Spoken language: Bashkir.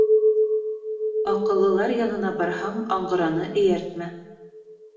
Аҡыллылар янына барһаң, аңғыраны эйәртмә.